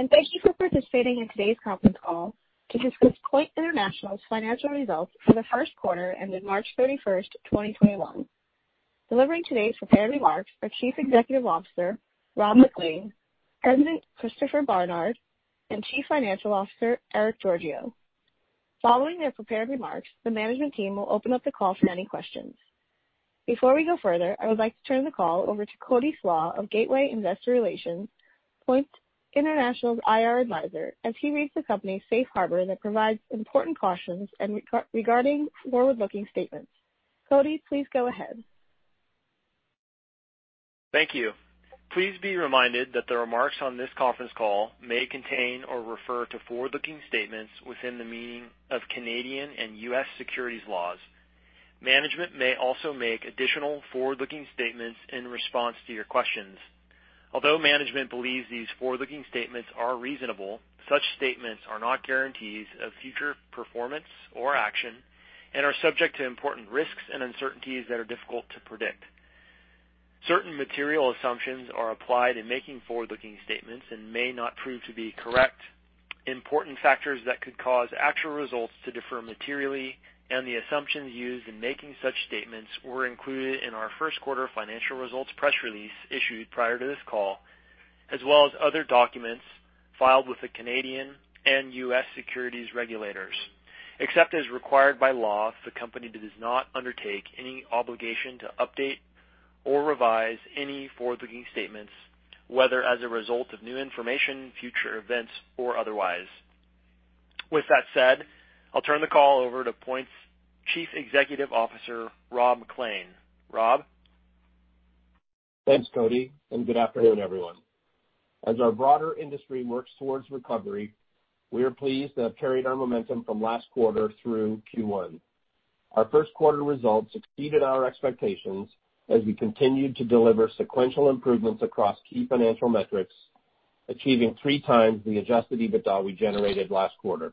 Good afternoon, everyone. Thank you for participating in today's conference call to discuss Points International's financial results for the first quarter ended March 31st, 2021. Delivering today's prepared remarks are Chief Executive Officer, Rob MacLean, President, Christopher Barnard, and Chief Financial Officer, Erick Georgiou. Following their prepared remarks, the management team will open up the call for any questions. Before we go further, I would like to turn the call over to Cody Slach of Gateway Investor Relations, Points International's IR advisor, as he reads the company's safe harbor that provides important cautions regarding forward-looking statements. Cody, please go ahead. Thank you. Please be reminded that the remarks on this conference call may contain or refer to forward-looking statements within the meaning of Canadian and U.S. securities laws. Management may also make additional forward-looking statements in response to your questions. Although management believes these forward-looking statements are reasonable, such statements are not guarantees of future performance or action and are subject to important risks and uncertainties that are difficult to predict. Certain material assumptions are applied in making forward-looking statements and may not prove to be correct. Important factors that could cause actual results to differ materially and the assumptions used in making such statements were included in our first quarter financial results press release issued prior to this call, as well as other documents filed with the Canadian and U.S. securities regulators. Except as required by law, the company does not undertake any obligation to update or revise any forward-looking statements, whether as a result of new information, future events, or otherwise. With that said, I'll turn the call over to Points' Chief Executive Officer, Rob MacLean. Rob? Thanks, Cody, and good afternoon, everyone. As our broader industry works towards recovery, we are pleased to have carried our momentum from last quarter through Q1. Our first quarter results exceeded our expectations as we continued to deliver sequential improvements across key financial metrics, achieving 3x the adjusted EBITDA we generated last quarter.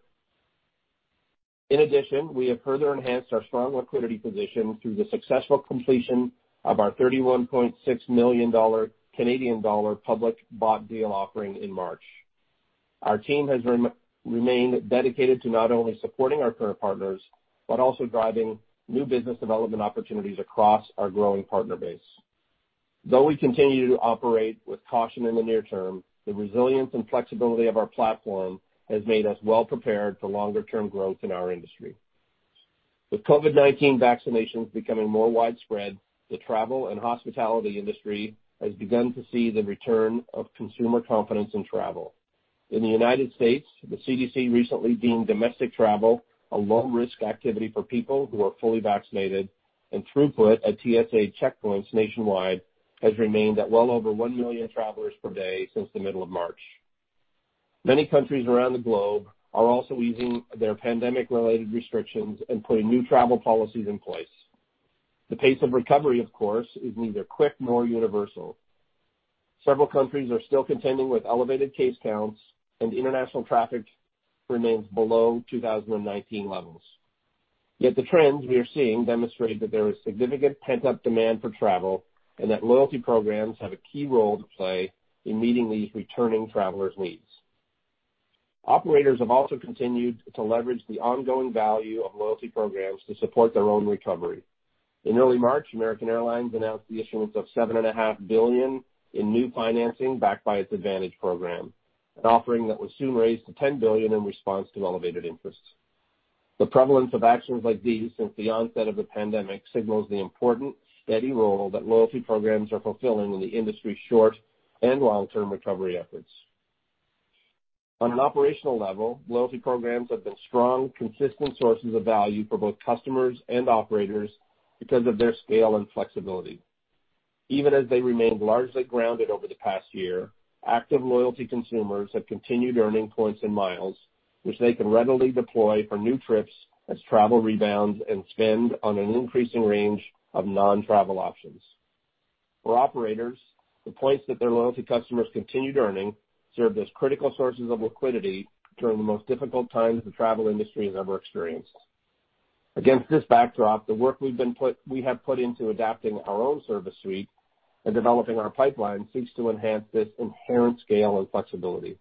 In addition, we have further enhanced our strong liquidity position through the successful completion of our 31.6 million Canadian dollar public bought deal offering in March. Our team has remained dedicated to not only supporting our current partners, but also driving new business development opportunities across our growing partner base. Though we continue to operate with caution in the near term, the resilience and flexibility of our platform has made us well prepared for longer-term growth in our industry. With COVID-19 vaccinations becoming more widespread, the travel and hospitality industry has begun to see the return of consumer confidence in travel. In the United States, the CDC recently deemed domestic travel a low-risk activity for people who are fully vaccinated, and throughput at TSA checkpoints nationwide has remained at well over 1 million travelers per day since the middle of March. Many countries around the globe are also easing their pandemic-related restrictions and putting new travel policies in place. The pace of recovery, of course, is neither quick nor universal. Several countries are still contending with elevated case counts, and international traffic remains below 2019 levels. Yet the trends we are seeing demonstrate that there is significant pent-up demand for travel and that loyalty programs have a key role to play in meeting these returning travelers' needs. Operators have also continued to leverage the ongoing value of loyalty programs to support their own recovery. In early March, American Airlines announced the issuance of $7.5 billion in new financing backed by its AAdvantage program, an offering that was soon raised to $10 billion in response to elevated interest. The prevalence of actions like these since the onset of the pandemic signals the important, steady role that loyalty programs are fulfilling in the industry's short- and long-term recovery efforts. On an operational level, loyalty programs have been strong, consistent sources of value for both customers and operators because of their scale and flexibility. Even as they remained largely grounded over the past year, active loyalty consumers have continued earning points and miles, which they can readily deploy for new trips as travel rebounds and spend on an increasing range of non-travel options. For operators, the points that their loyalty customers continued earning served as critical sources of liquidity during the most difficult times the travel industry has ever experienced. Against this backdrop, the work we have put into adapting our own service suite and developing our pipeline seeks to enhance this inherent scale and flexibility.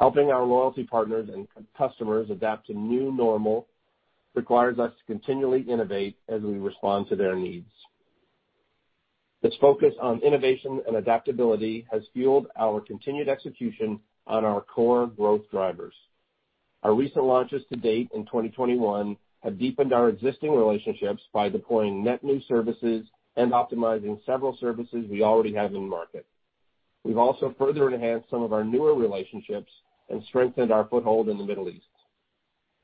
Helping our loyalty partners and customers adapt to new normal requires us to continually innovate as we respond to their needs. This focus on innovation and adaptability has fueled our continued execution on our core growth drivers. Our recent launches to date in 2021 have deepened our existing relationships by deploying net new services and optimizing several services we already have in market. We've also further enhanced some of our newer relationships and strengthened our foothold in the Middle East.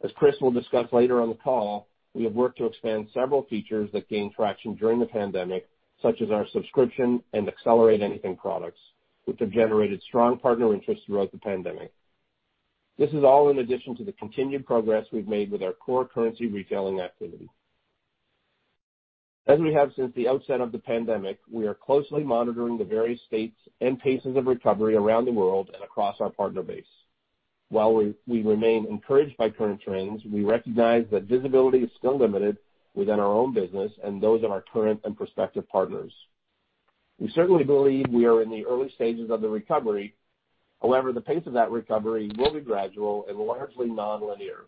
As Chris will discuss later on the call, we have worked to expand several features that gained traction during the pandemic, such as our subscription and Accelerate Anything products, which have generated strong partner interest throughout the pandemic. This is all in addition to the continued progress we've made with our core currency retailing activity. As we have since the outset of the pandemic, we are closely monitoring the various states and paces of recovery around the world and across our partner base. While we remain encouraged by current trends, we recognize that visibility is still limited within our own business and those of our current and prospective partners. We certainly believe we are in the early stages of the recovery. However, the pace of that recovery will be gradual and largely non-linear.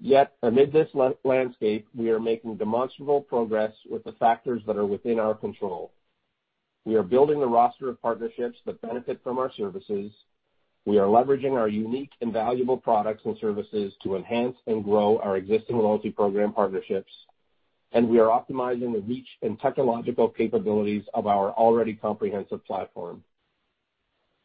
Yet amid this landscape, we are making demonstrable progress with the factors that are within our control. We are building a roster of partnerships that benefit from our services, we are leveraging our unique and valuable products and services to enhance and grow our existing loyalty program partnerships, and we are optimizing the reach and technological capabilities of our already comprehensive platform.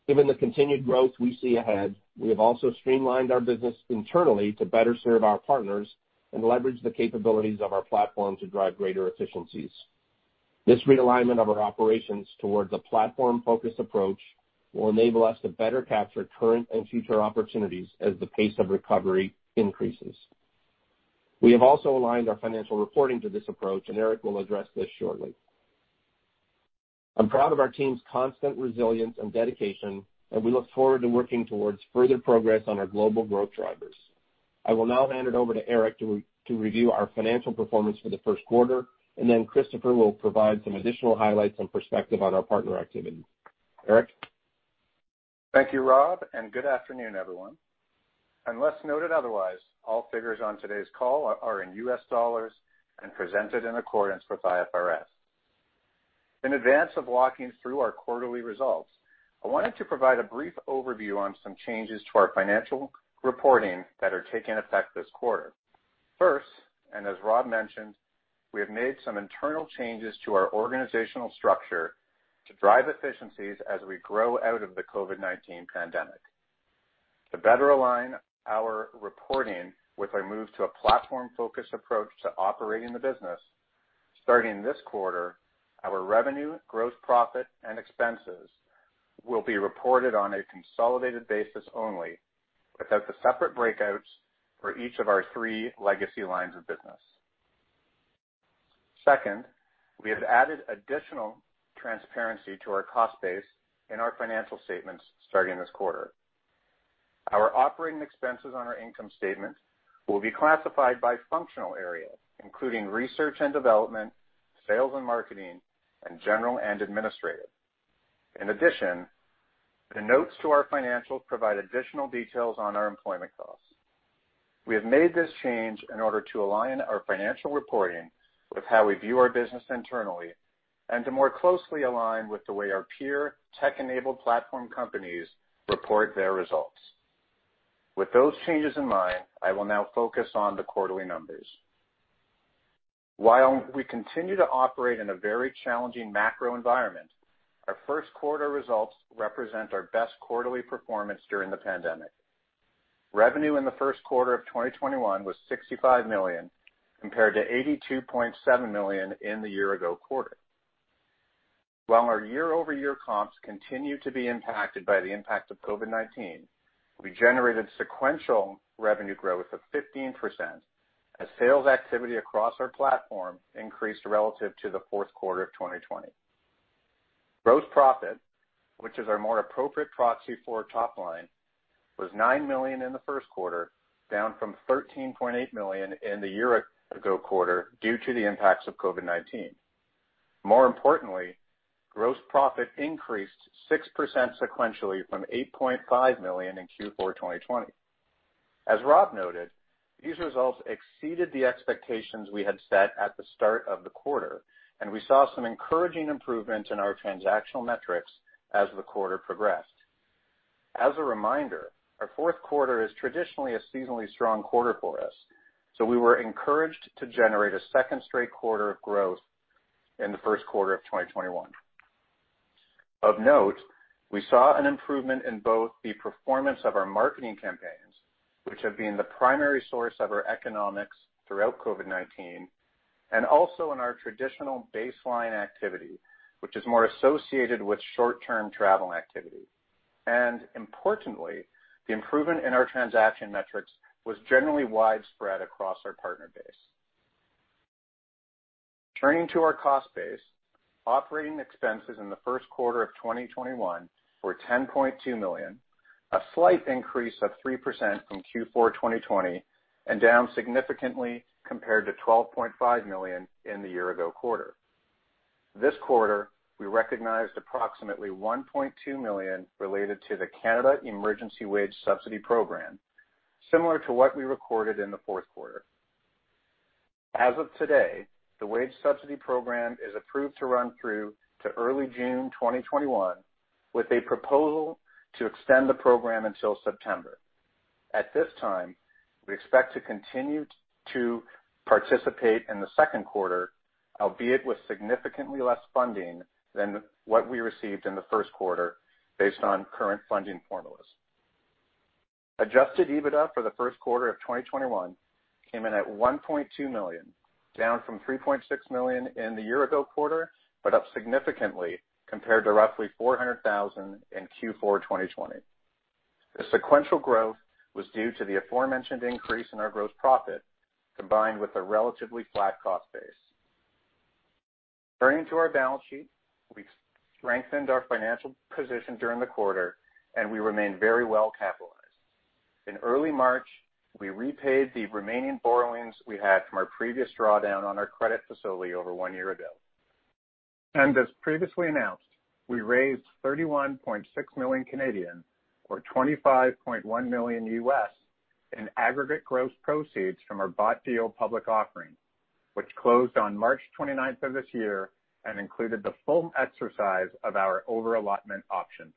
Given the continued growth we see ahead, we have also streamlined our business internally to better serve our partners and leverage the capabilities of our platform to drive greater efficiencies. This realignment of our operations towards a platform-focused approach will enable us to better capture current and future opportunities as the pace of recovery increases. We have also aligned our financial reporting to this approach, and Erick will address this shortly. I'm proud of our team's constant resilience and dedication, and we look forward to working towards further progress on our global growth drivers. I will now hand it over to Erick to review our financial performance for the first quarter, and then Christopher will provide some additional highlights and perspective on our partner activities. Erick? Thank you, Rob, and good afternoon, everyone. Unless noted otherwise, all figures on today's call are in U.S. dollars and presented in accordance with IFRS. In advance of walking through our quarterly results, I wanted to provide a brief overview on some changes to our financial reporting that are taking effect this quarter. First, and as Rob mentioned, we have made some internal changes to our organizational structure to drive efficiencies as we grow out of the COVID-19 pandemic. To better align our reporting with a move to a platform-focused approach to operating the business, starting this quarter, our revenue, gross profit, and expenses will be reported on a consolidated basis only, without the separate breakouts for each of our three legacy lines of business. Second, we have added additional transparency to our cost base in our financial statements starting this quarter. Our operating expenses on our income statement will be classified by functional area, including research and development, sales and marketing, and general and administrative. In addition, the notes to our financials provide additional details on our employment costs. We have made this change in order to align our financial reporting with how we view our business internally and to more closely align with the way our peer tech-enabled platform companies report their results. With those changes in mind, I will now focus on the quarterly numbers. While we continue to operate in a very challenging macro environment, our first quarter results represent our best quarterly performance during the pandemic. Revenue in the first quarter of 2021 was $65 million, compared to $82.7 million in the year-ago quarter. While our year-over-year comps continue to be impacted by the impact of COVID-19, we generated sequential revenue growth of 15% as sales activity across our platform increased relative to the fourth quarter of 2020. Gross profit, which is our more appropriate proxy for top line, was $9 million in the first quarter, down from $13.8 million in the year-ago quarter due to the impacts of COVID-19. More importantly, gross profit increased 6% sequentially from $8.5 million in Q4 2020. As Rob noted, these results exceeded the expectations we had set at the start of the quarter, and we saw some encouraging improvements in our transactional metrics as the quarter progressed. As a reminder, our fourth quarter is traditionally a seasonally strong quarter for us, so we were encouraged to generate a second straight quarter of growth in the first quarter of 2021. Of note, we saw an improvement in both the performance of our marketing campaigns, which have been the primary source of our economics throughout COVID-19, and also in our traditional baseline activity, which is more associated with short-term travel activity. Importantly, the improvement in our transaction metrics was generally widespread across our partner base. Turning to our cost base, operating expenses in the first quarter of 2021 were $10.2 million, a slight increase of 3% from Q4 2020 and down significantly compared to $12.5 million in the year-ago quarter. This quarter, we recognized approximately $1.2 million related to the Canada Emergency Wage Subsidy, similar to what we recorded in the fourth quarter. As of today, the wage subsidy program is approved to run through to early June 2021, with a proposal to extend the program until September. At this time, we expect to continue to participate in the second quarter, albeit with significantly less funding than what we received in the first quarter based on current funding formulas. Adjusted EBITDA for the first quarter of 2021 came in at $1.2 million, down from $3.6 million in the year-ago quarter, but up significantly compared to roughly $400,000 in Q4 2020. The sequential growth was due to the aforementioned increase in our gross profit, combined with a relatively flat cost base. Turning to our balance sheet, we strengthened our financial position during the quarter, and we remain very well capitalized. In early March, we repaid the remaining borrowings we had from our previous drawdown on our credit facility over one year ago. As previously announced, we raised 31.6 million, or $25.1 million, in aggregate gross proceeds from our bought deal public offering, which closed on March 29th of this year and included the full exercise of our over-allotment option.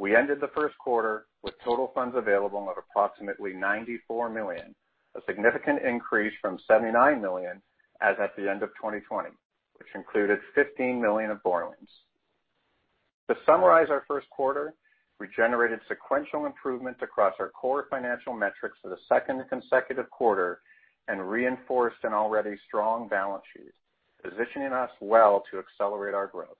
We ended the first quarter with total funds available of approximately $94 million, a significant increase from $79 million as at the end of 2020, which included $15 million of borrowings. To summarize our first quarter, we generated sequential improvement across our core financial metrics for the second consecutive quarter and reinforced an already strong balance sheet, positioning us well to accelerate our growth.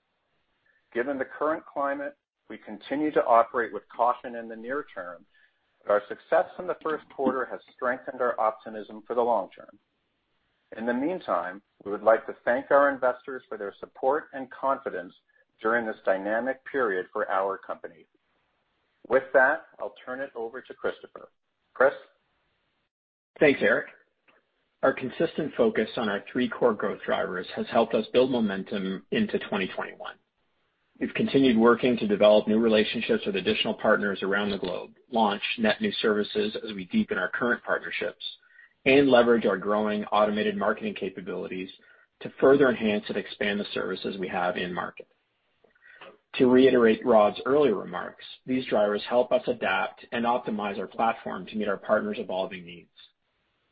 Given the current climate, we continue to operate with caution in the near term, but our success in the first quarter has strengthened our optimism for the long term. In the meantime, we would like to thank our investors for their support and confidence during this dynamic period for our company. With that, I'll turn it over to Christopher. Chris? Thanks, Erick. Our consistent focus on our three core growth drivers has helped us build momentum into 2021. We've continued working to develop new relationships with additional partners around the globe, launch net new services as we deepen our current partnerships, and leverage our growing automated marketing capabilities to further enhance and expand the services we have in market. To reiterate Rob's earlier remarks, these drivers help us adapt and optimize our platform to meet our partners' evolving needs.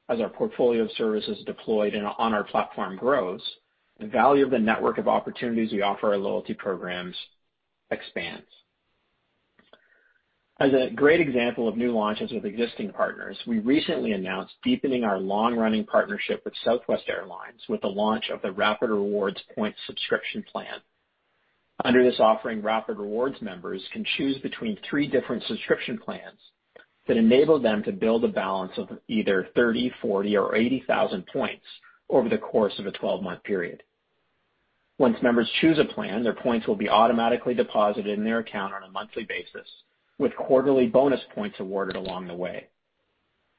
As our portfolio of services deployed and on our platform grows, the value of the network of opportunities we offer our loyalty programs expands. As a great example of new launches with existing partners, we recently announced deepening our long-running partnership with Southwest Airlines with the launch of the Rapid Rewards Point Subscription Plan. Under this offering, Rapid Rewards members can choose between three different subscription plans that enable them to build a balance of either 30,000, 40,000 or 80,000 points over the course of a 12-month period. Once members choose a plan, their points will be automatically deposited in their account on a monthly basis, with quarterly bonus points awarded along the way.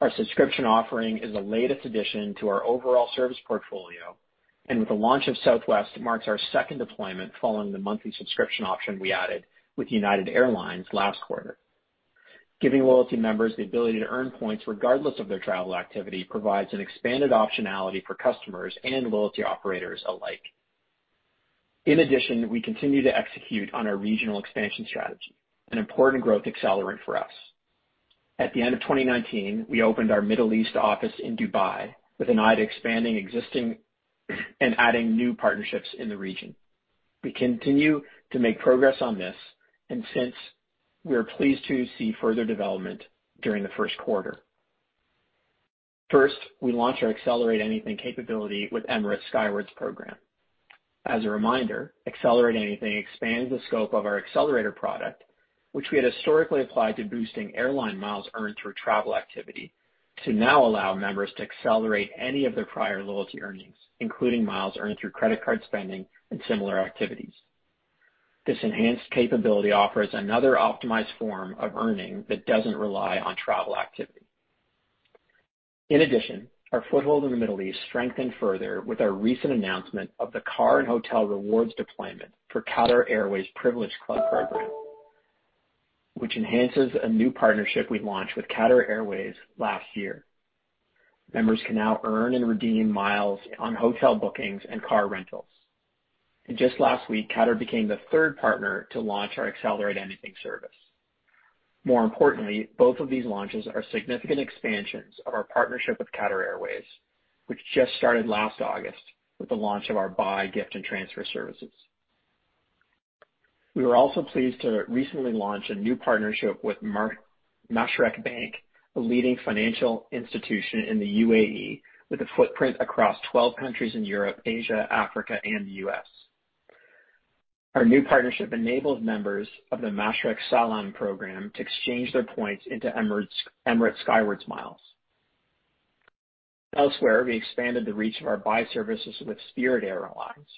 Our subscription offering is the latest addition to our overall service portfolio, and with the launch of Southwest, it marks our second deployment following the monthly subscription option we added with United Airlines last quarter. Giving loyalty members the ability to earn points regardless of their travel activity provides an expanded optionality for customers and loyalty operators alike. In addition, we continue to execute on our regional expansion strategy, an important growth accelerant for us. At the end of 2019, we opened our Middle East office in Dubai with an eye to expanding existing and adding new partnerships in the region. We continue to make progress on this, and since, we are pleased to see further development during the first quarter. First, we launched our Accelerate Anything capability with Emirates Skywards program. As a reminder, Accelerate Anything expands the scope of our accelerator product, which we had historically applied to boosting airline miles earned through travel activity to now allow members to accelerate any of their prior loyalty earnings, including miles earned through credit card spending and similar activities. This enhanced capability offers another optimized form of earning that doesn't rely on travel activity. In addition, our foothold in the Middle East strengthened further with our recent announcement of the car and hotel rewards deployment for Qatar Airways Privilege Club program, which enhances a new partnership we launched with Qatar Airways last year. Members can now earn and redeem miles on hotel bookings and car rentals. Just last week, Qatar became the third partner to launch our Accelerate Anything service. More importantly, both of these launches are significant expansions of our partnership with Qatar Airways, which just started last August with the launch of our buy, gift, and transfer services. We were also pleased to recently launch a new partnership with Mashreq Bank, a leading financial institution in the U.A.E., with a footprint across 12 countries in Europe, Asia, Africa, and the U.S. Our new partnership enables members of the Mashreq Salaam program to exchange their points into Emirates Skywards miles. Elsewhere, we expanded the reach of our buy services with Spirit Airlines,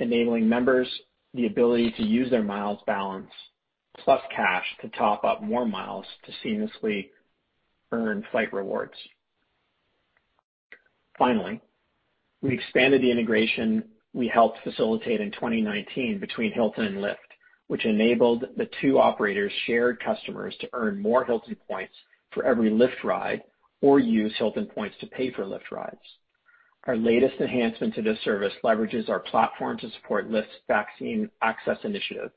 enabling members the ability to use their miles balance plus cash to top up more miles to seamlessly earn flight rewards. Finally, we expanded the integration we helped facilitate in 2019 between Hilton and Lyft, which enabled the two operators' shared customers to earn more Hilton points for every Lyft ride or use Hilton points to pay for Lyft rides. Our latest enhancement to this service leverages our platform to support Lyft's Vaccine Access initiative,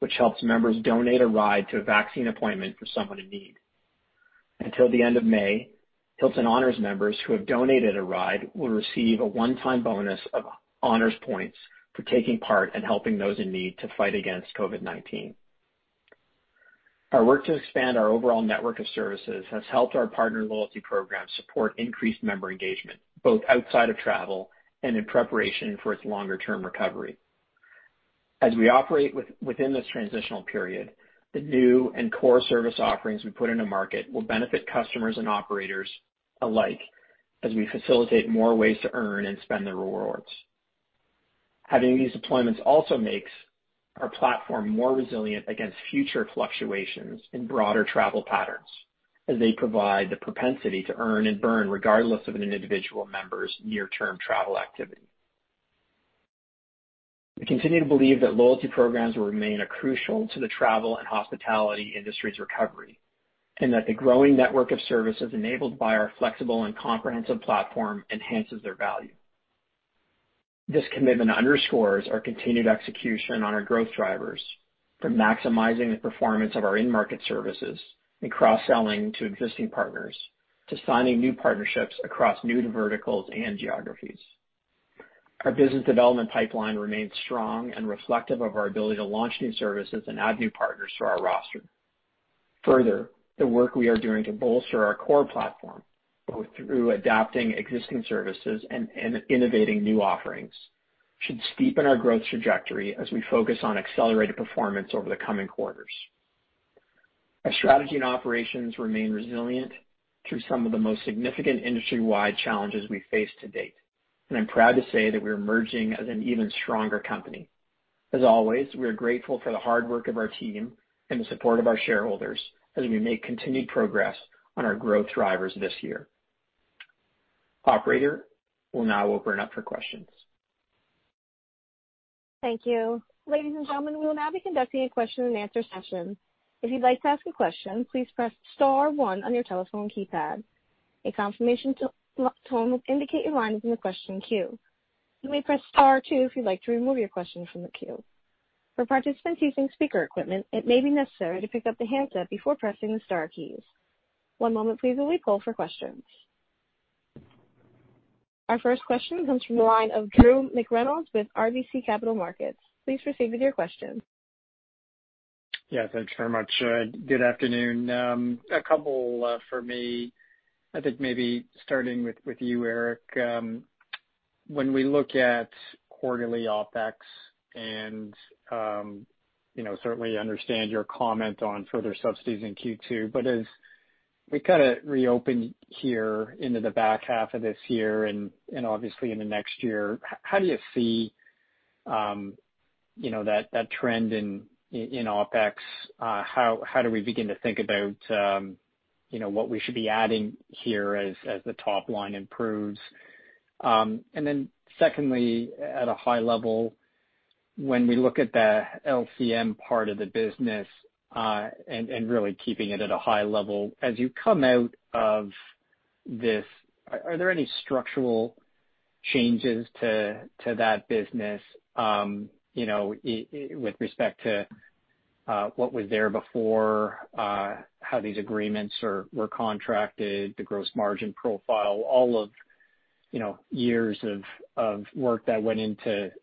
which helps members donate a ride to a vaccine appointment for someone in need. Until the end of May, Hilton Honors members who have donated a ride will receive a one-time bonus of Honors points for taking part in helping those in need to fight against COVID-19. Our work to expand our overall network of services has helped our partner loyalty program support increased member engagement, both outside of travel and in preparation for its longer-term recovery. As we operate within this transitional period, the new and core service offerings we put in the market will benefit customers and operators alike as we facilitate more ways to earn and spend their rewards. Having these deployments also makes our platform more resilient against future fluctuations in broader travel patterns, as they provide the propensity to earn and burn regardless of an individual member's near-term travel activity. We continue to believe that loyalty programs will remain crucial to the travel and hospitality industry's recovery, and that the growing network of services enabled by our flexible and comprehensive platform enhances their value. This commitment underscores our continued execution on our growth drivers for maximizing the performance of our in-market services and cross-selling to existing partners, to signing new partnerships across new verticals and geographies. Our business development pipeline remains strong and reflective of our ability to launch new services and add new partners to our roster. Further, the work we are doing to bolster our core platform, both through adapting existing services and innovating new offerings, should steepen our growth trajectory as we focus on accelerated performance over the coming quarters. Our strategy and operations remain resilient through some of the most significant industry-wide challenges we face to date, and I'm proud to say that we are emerging as an even stronger company. As always, we are grateful for the hard work of our team and the support of our shareholders as we make continued progress on our growth drivers this year. Operator, we'll now open up for questions. Thank you. Ladies and gentlemen, we will now be conducting a question-and-answer session. If you'd like to ask a question, please press star one on your telephone keypad. A confirmation tone will indicate your line in the question queue. You may press star two if you'd like to remove your question from the queue. For participants using speaker equipment, it may be necessary to pick up the handset before pressing the star keys. One moment, please, while we poll for questions. Our first question comes from the line of Drew McReynolds with RBC Capital Markets. Please proceed with your questions. Yeah, thanks very much. Good afternoon. A couple for me. I think maybe starting with you, Erick. When we look at quarterly OpEx and certainly understand your comment on further subsidies in Q2, as we reopen here into the back half of this year and obviously into next year, how do you see that trend in OpEx? How do we begin to think about what we should be adding here as the top line improves? Secondly, at a high level, when we look at the LCR part of the business and really keeping it at a high level, as you come out of this, are there any structural changes to that business with respect to what was there before, how these agreements were contracted, the gross margin profile, all of years of work that went into this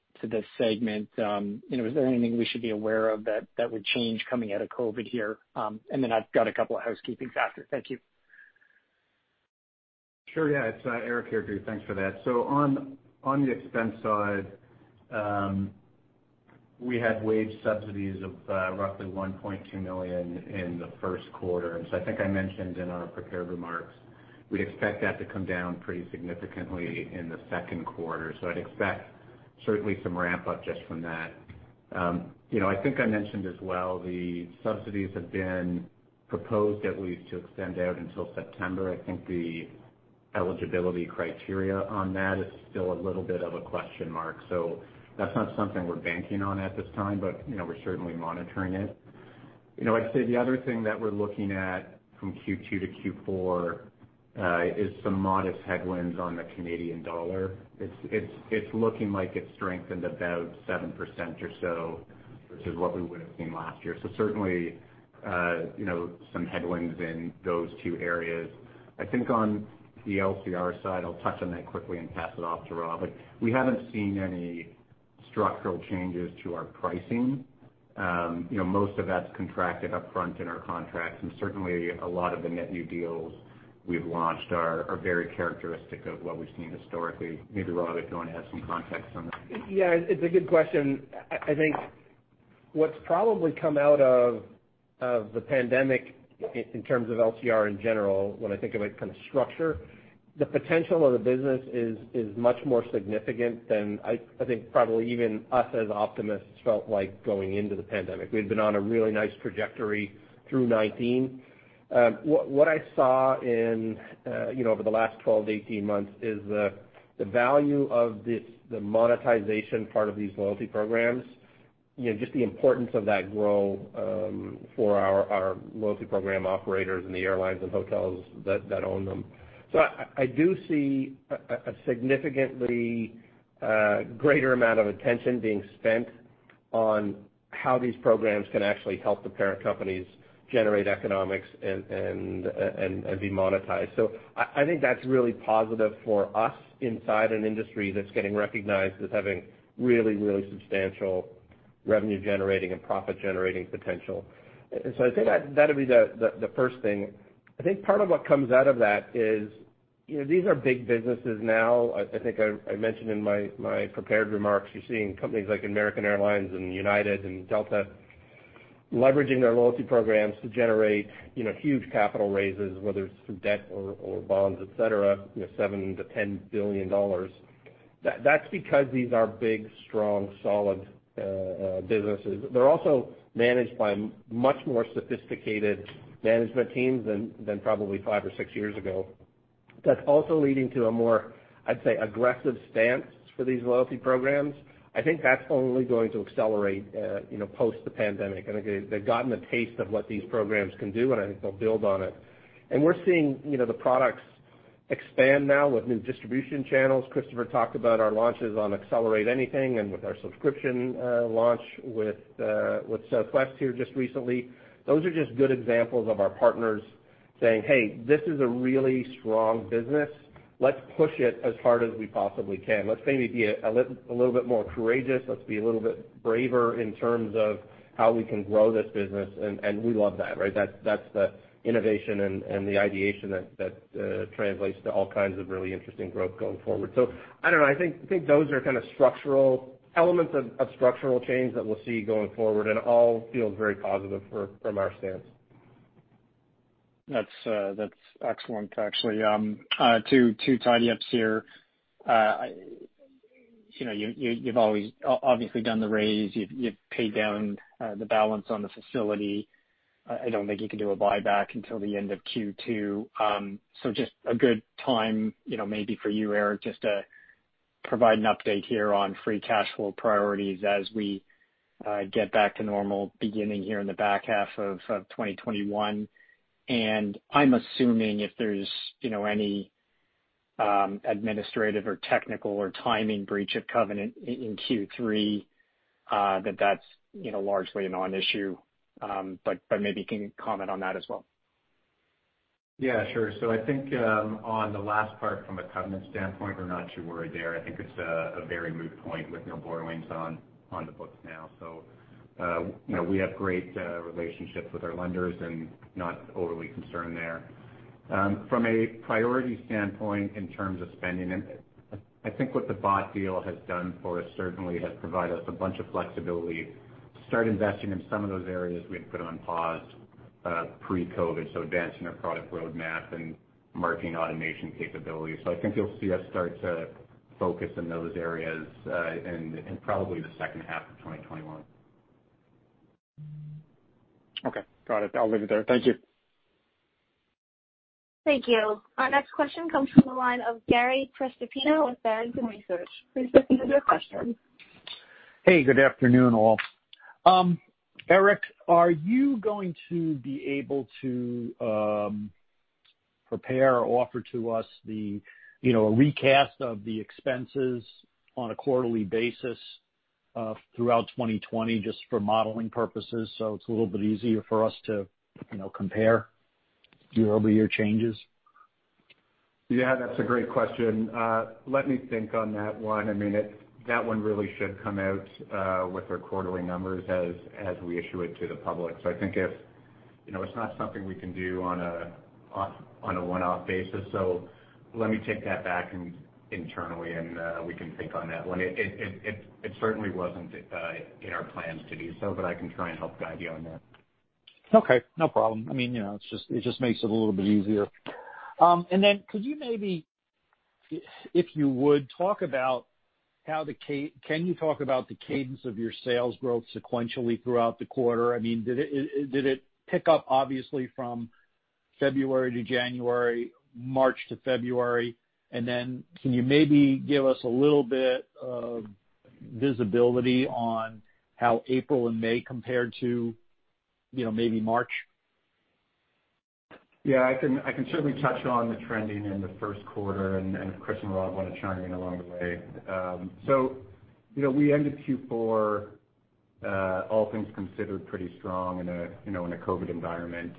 segment? Is there anything we should be aware of that would change coming out of COVID-19 here? I've got a couple of housekeepings after. Thank you. Sure. It's Erick here, Drew. Thanks for that. On the expense side, we had wage subsidies of roughly $1.2 million in the first quarter. I think I mentioned in our prepared remarks, we expect that to come down pretty significantly in the second quarter. I'd expect certainly some ramp up just from that. I think I mentioned as well, the subsidies have been proposed at least to extend out until September. I think the eligibility criteria on that is still a little bit of a question mark. That's not something we're banking on at this time, but we're certainly monitoring it. I'd say the other thing that we're looking at from Q2 to Q4 is some modest headwinds on the Canadian dollar. It's looking like it's strengthened about 7% or so, versus what we would have seen last year. Certainly, some headwinds in those two areas. I think on the LCR side, I'll touch on that quickly and pass it off to Rob. We haven't seen any structural changes to our pricing. Most of that's contracted upfront in our contracts and certainly a lot of the net new deals we've launched are very characteristic of what we've seen historically. Maybe Rob, you want to add some context on that? Yeah. It's a good question. I think what's probably come out of the pandemic in terms of LCR in general, when I think about structure, the potential of the business is much more significant than I think probably even us as optimists felt like going into the pandemic. We'd been on a really nice trajectory through 2019. What I saw over the last 12-18 months is the value of the monetization part of these loyalty programs, just the importance of that grow for our loyalty program operators and the airlines and hotels that own them. I do see a significantly greater amount of attention being spent on how these programs can actually help the parent companies generate economics and be monetized. I think that's really positive for us inside an industry that's getting recognized as having really substantial revenue-generating and profit-generating potential. I think that'd be the first thing. I think part of what comes out of that is. These are big businesses now. I think I mentioned in my prepared remarks, you're seeing companies like American Airlines and United and Delta leveraging their loyalty programs to generate huge capital raises, whether it's through debt or bonds, et cetera, $7 billion-$10 billion. That's because these are big, strong, solid businesses. They're also managed by much more sophisticated management teams than probably five or six years ago. That's also leading to a more, I'd say, aggressive stance for these loyalty programs. I think that's only going to accelerate post-pandemic. I think they've gotten a taste of what these programs can do, and I think they'll build on it. We're seeing the products expand now with new distribution channels. Christopher talked about our launches on Accelerate Anything and with our subscription launch with Southwest here just recently. Those are just good examples of our partners saying, "Hey, this is a really strong business. Let's push it as hard as we possibly can. Let's maybe be a little bit more courageous. Let's be a little bit braver in terms of how we can grow this business." We love that, right? That's the innovation and the ideation that translates to all kinds of really interesting growth going forward. I don't know. I think those are elements of structural change that we'll see going forward, and all feel very positive from our stance. That's excellent, actually. Two tidy ups here. You've obviously done the raise. You've paid down the balance on the facility. I don't think you can do a buyback until the end of Q2. Just a good time, maybe for you, Erick, just to provide an update here on free cash flow priorities as we get back to normal beginning here in the back half of 2021. I'm assuming if there's any administrative or technical or timing breach of covenant in Q3, that that's largely a non-issue. Maybe you can comment on that as well. Yeah, sure. I think on the last part from a covenant standpoint, we're not too worried there. I think it's a very moot point with no borrowings on the books now. We have great relationships with our lenders and not overly concerned there. From a priority standpoint in terms of spending, I think what the bought deal has done for us certainly has provided us a bunch of flexibility to start investing in some of those areas we had put on pause pre-COVID, so advancing our product roadmap and marketing automation capabilities. I think you'll see us start to focus in those areas in probably the second half of 2021. Okay, got it. I'll leave it there. Thank you. Thank you. Our next question comes from the line of Gary Prestopino with Barrington Research. Please proceed with your question. Hey, good afternoon, all. Erick, are you going to be able to prepare or offer to us a recast of the expenses on a quarterly basis throughout 2020 just for modeling purposes, so it's a little bit easier for us to compare year-over-year changes? That's a great question. Let me think on that one. That one really should come out with our quarterly numbers as we issue it to the public. I think it's not something we can do on a one-off basis. Let me take that back internally, and we can think on that one. It certainly wasn't in our plans to do so, but I can try and help guide you on that. Okay, no problem. It just makes it a little bit easier. Could you maybe, if you would, can you talk about the cadence of your sales growth sequentially throughout the quarter? Did it pick up obviously from February to January, March to February, and then can you maybe give us a little bit of visibility on how April and May compared to maybe March? Yeah, I can certainly touch on the trending in the first quarter, and if Chris and Rob want to chime in along the way. We ended Q4, all things considered, pretty strong in a COVID-19 environment.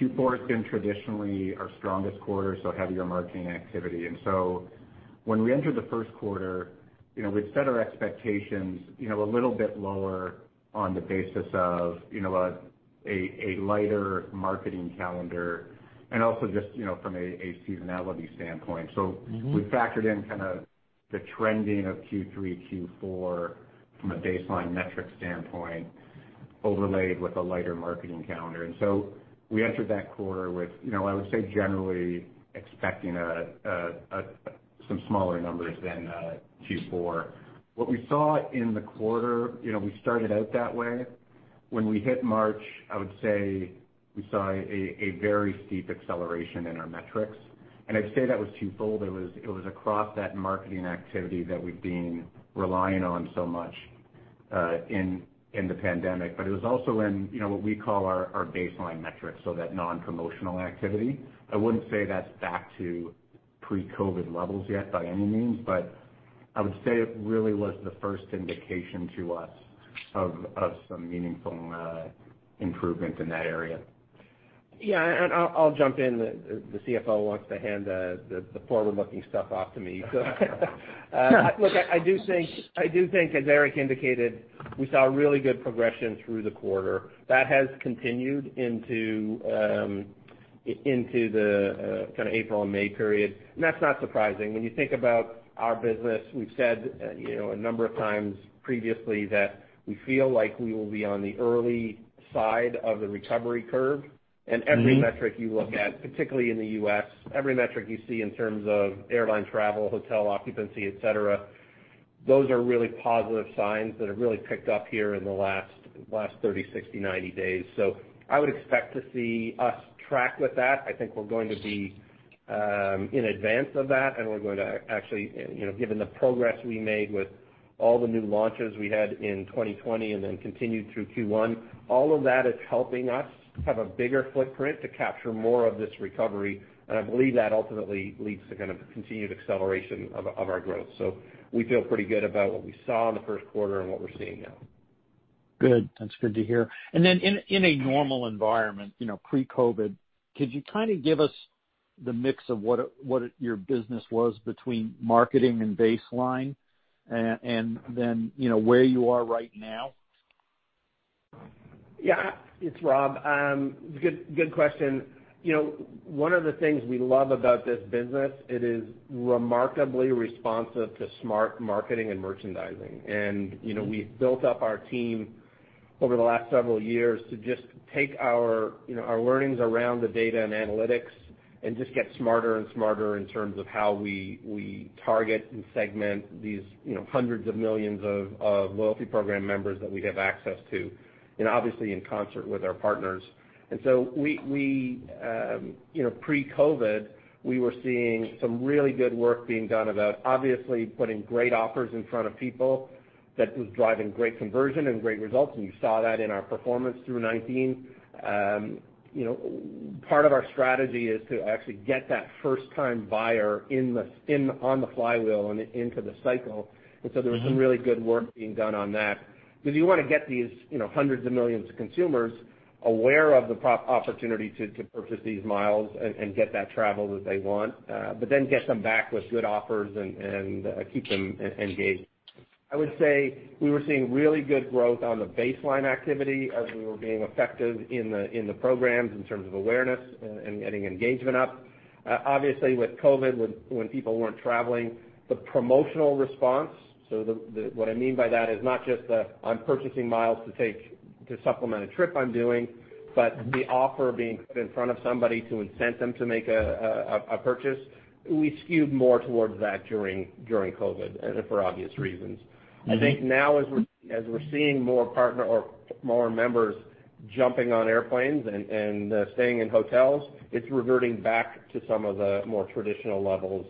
Q4 has been traditionally our strongest quarter, so heavier marketing activity. When we entered the first quarter, we'd set our expectations a little bit lower on the basis of a lighter marketing calendar and also just from a seasonality standpoint. We factored in kind of the trending of Q3, Q4 from a baseline metric standpoint, overlaid with a lighter marketing calendar. We entered that quarter with, I would say, generally expecting some smaller numbers than Q4. What we saw in the quarter, we started out that way. When we hit March, I would say we saw a very steep acceleration in our metrics. I'd say that was twofold. It was across that marketing activity that we've been relying on so much in the pandemic, but it was also in what we call our baseline metrics, so that non-promotional activity. I wouldn't say that's back to pre-COVID-19 levels yet by any means, but I would say it really was the first indication to us of some meaningful improvement in that area. I'll jump in. The CFO wants to hand the forward-looking stuff off to me. Look, I do think, as Erick indicated, we saw a really good progression through the quarter. That has continued into the kind of April and May period, and that's not surprising. When you think about our business, we've said a number of times previously that we feel like we will be on the early side of the recovery curve. Every metric you look at, particularly in the U.S., every metric you see in terms of airline travel, hotel occupancy, et cetera, those are really positive signs that have really picked up here in the last 30, 60, 90 days. I would expect to see us track with that. I think we're going to be in advance of that, and we're going to actually, given the progress we made with all the new launches we had in 2020 and then continued through Q1, all of that is helping us have a bigger footprint to capture more of this recovery, and I believe that ultimately leads to kind of the continued acceleration of our growth. We feel pretty good about what we saw in the first quarter and what we're seeing now. Good. That's good to hear. In a normal environment, pre-COVID, could you kind of give us the mix of what your business was between marketing and baseline and then where you are right now? Yeah. It is Rob. Good question. One of the things we love about this business, it is remarkably responsive to smart marketing and merchandising. We have built up our team over the last several years to just take our learnings around the data and analytics and just get smarter and smarter in terms of how we target and segment these hundreds of millions of loyalty program members that we have access to, and obviously in concert with our partners. Pre-COVID, we were seeing some really good work being done about obviously putting great offers in front of people that was driving great conversion and great results, and you saw that in our performance through 2019. Part of our strategy is to actually get that first-time buyer on the flywheel and into the cycle. There was some really good work being done on that. Because you want to get these hundreds of millions of consumers aware of the opportunity to purchase these miles and get that travel that they want, but then get them back with good offers and keep them engaged. I would say we were seeing really good growth on the baseline activity as we were being effective in the programs in terms of awareness and getting engagement up. Obviously with COVID-19, when people weren't traveling, the promotional response, so what I mean by that is not just the "I'm purchasing miles to supplement a trip I'm doing," but the offer being put in front of somebody to incent them to make a purchase. We skewed more towards that during COVID-19, for obvious reasons. I think now, as we're seeing more members jumping on airplanes and staying in hotels, it's reverting back to some of the more traditional levels.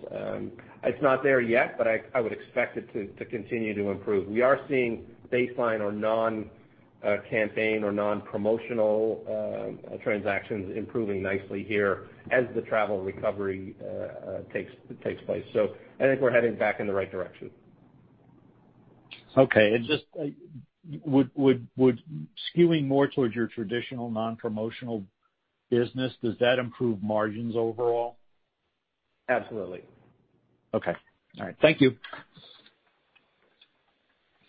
It's not there yet, but I would expect it to continue to improve. We are seeing baseline or non-campaign or non-promotional transactions improving nicely here as the travel recovery takes place. I think we're heading back in the right direction. Would skewing more towards your traditional non-promotional business, does that improve margins overall? Absolutely. Okay. All right. Thank you.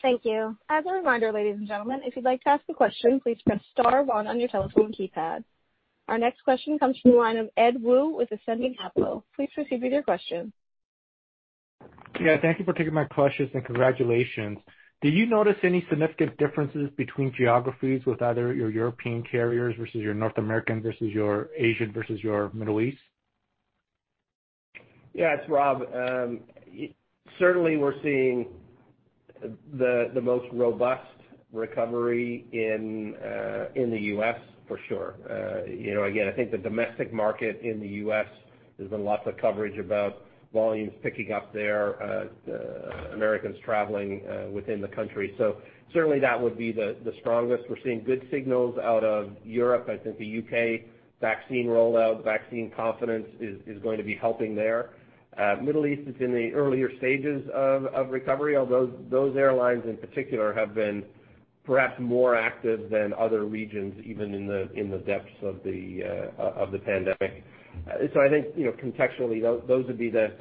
Thank you. As a reminder, ladies and gentlemen, if you'd like to ask a question, please press star one on your telephone keypad. Our next question comes from the line of Ed Woo with Ascendiant Capital. Please proceed with your question. Yeah, thank you for taking my questions, and congratulations. Do you notice any significant differences between geographies with either your European carriers versus your North American versus your Asian versus your Middle East? Yeah. It's Rob. Certainly, we're seeing the most robust recovery in the U.S., for sure. I think the domestic market in the U.S., there's been lots of coverage about volumes picking up there, Americans traveling within the country. Certainly that would be the strongest. We're seeing good signals out of Europe. I think the U.K. vaccine rollout, the vaccine confidence is going to be helping there. Middle East is in the earlier stages of recovery, although those airlines in particular have been perhaps more active than other regions, even in the depths of the pandemic. I think contextually, that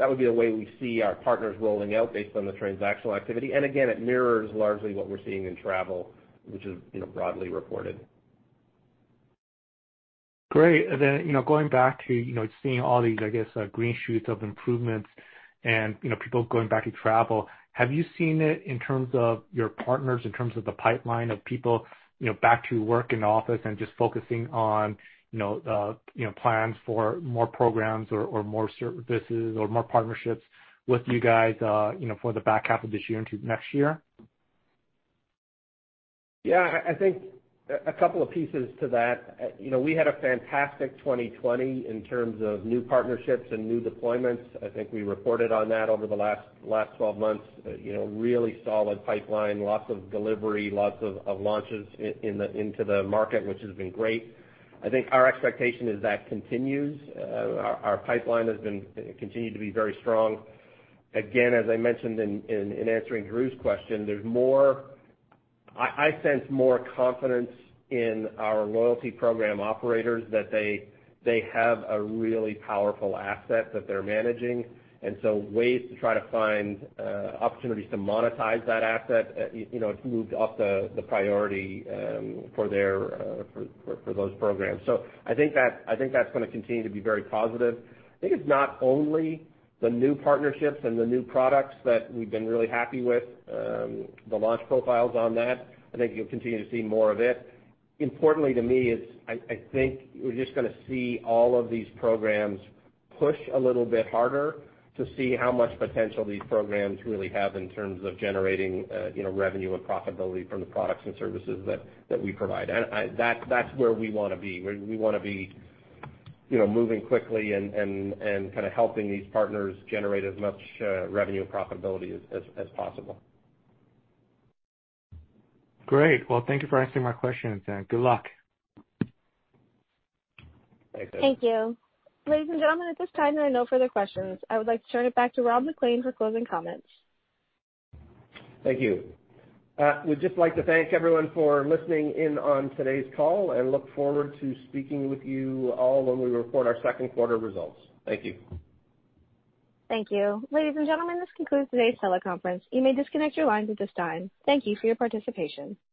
would be the way we see our partners rolling out based on the transactional activity. It mirrors largely what we're seeing in travel, which is broadly reported. Great. Going back to seeing all these, I guess, green shoots of improvements and people going back to travel, have you seen it in terms of your partners, in terms of the pipeline of people back to work in the office and just focusing on plans for more programs or more services or more partnerships with you guys for the back half of this year into next year? I think a couple of pieces to that. We had a fantastic 2020 in terms of new partnerships and new deployments. I think we reported on that over the last 12 months. Really solid pipeline, lots of delivery, lots of launches into the market, which has been great. I think our expectation is that continues. Our pipeline has continued to be very strong. Again, as I mentioned in answering Drew's question, I sense more confidence in our loyalty program operators that they have a really powerful asset that they're managing, and so ways to try to find opportunities to monetize that asset, it's moved up the priority for those programs. I think that's going to continue to be very positive. I think it's not only the new partnerships and the new products that we've been really happy with the launch profiles on that. I think you'll continue to see more of it. Importantly to me is I think we're just going to see all of these programs push a little bit harder to see how much potential these programs really have in terms of generating revenue and profitability from the products and services that we provide. That's where we want to be. We want to be moving quickly and kind of helping these partners generate as much revenue and profitability as possible. Great. Well, thank you for answering my questions. Good luck. Thanks, Ed. Thank you. Ladies and gentlemen, at this time, there are no further questions. I would like to turn it back to Rob MacLean for closing comments. Thank you. We'd just like to thank everyone for listening in on today's call and look forward to speaking with you all when we report our second quarter results. Thank you. Thank you. Ladies and gentlemen, this concludes today's teleconference. You may disconnect your lines at this time. Thank you for your participation.